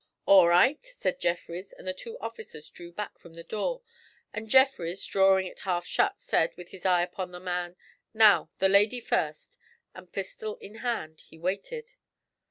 'All right,' said Jeffrys; and the two officers drew back from the door, and Jeffrys, drawing it half shut, said, with his eye upon the man, 'Now, the lady first,' and pistol in hand he waited.